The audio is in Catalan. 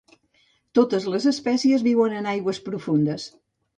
Totes les espècies viuen en aigües profundes.